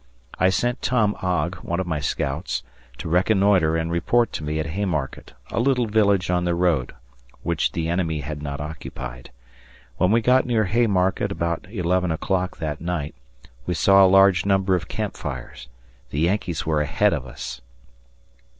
I sent Tom Ogg, one of my scouts, to reconnoitre and report to me at Haymarket, a little village on the road, which the enemy had not occupied. When we got near Haymarket about eleven o'clock that night, we a large number of camp fires. The Yankees were ahead of us!